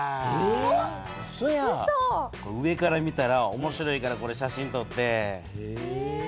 ウソ⁉上から見たら面白いからこれ写真撮ってん。